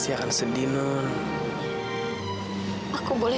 tapi tarir kanak kanak aku ya minta pusat ini